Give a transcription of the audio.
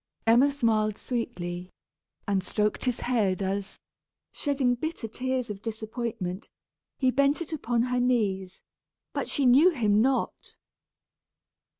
Emma smiled sweetly, and stroked his head as, shedding bitter tears of disappointment, he bent it upon her knees; but she knew him not.